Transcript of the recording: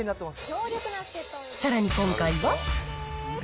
さらに今回は。